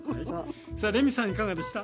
さあレミさんいかがでした？